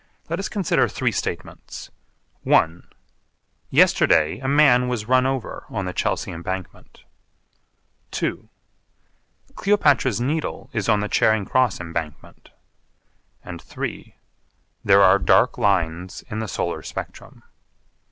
Let us consider three statements, (i) 'Yesterday a man was run over on the Chelsea Embankment,' (ii) 'Cleopatra's Needle is on the Charing Cross Embankment,' and (iii) 'There are dark lines in the Solar Spectrum.'